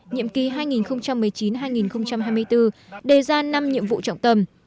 nhiệm kỳ hai nghìn một mươi chín hai nghìn hai mươi bốn đề ra năm nhiệm vụ trọng tâm